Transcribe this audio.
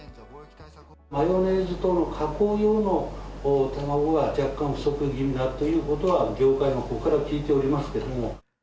マヨネーズ等の加工用の卵は若干不足気味だということは、業界のほうから聞いておりますけれども。